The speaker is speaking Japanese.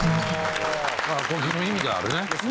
アコギの意味があるね。